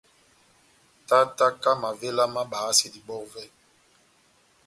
Tátáka mavéla má bayasedi bɔvɛ.